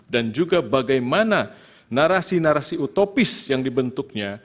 dan juga bagaimana narasi narasi utopis yang dibentuknya